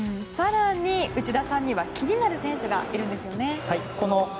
更に、内田さんには気になる選手がいるんですよね。